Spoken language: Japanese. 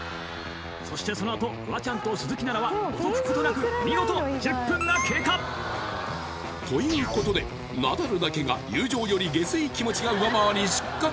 そしてそのあとフワちゃんと鈴木奈々は覗くことなく見事１０分が経過ということでナダルだけが友情よりゲスい気持ちが上回り失格